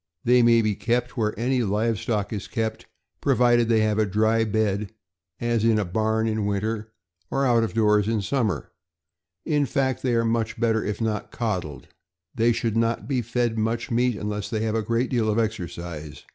They may be kept where any live stock is kept, provided they have a dry bed, as in a barn in winter or out of doors in summer; in fact, they are better if not coddled. They should not be fed much meat unless they have a great deal of exercise.